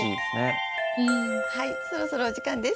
はいそろそろお時間です。